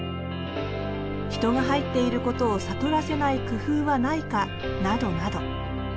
人が入っていることを悟らせない工夫はないかなどなど。